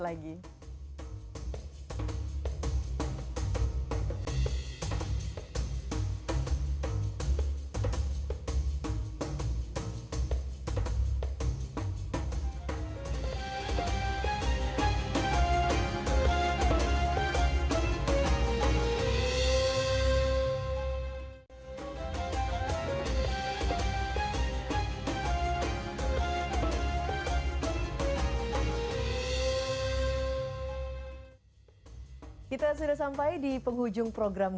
bapak dan ibu yang dikirimkan